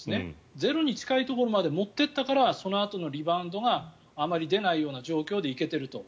ゼロに近いところまで持っていったからそのあとにリバウンドがあまり出ないような状況で行けてると。